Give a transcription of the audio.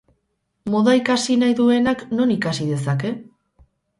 Moda ikasi nahi duenak non ikasi dezake?